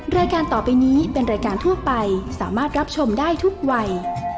รายการต่อไปนี้เป็นรายการทั่วไปสามารถรับชมได้ทุกวัย